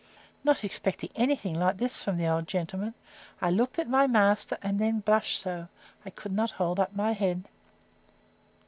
Not expecting anything like this from the old gentleman, I looked at my master, and then blushed so, I could not hold up my head.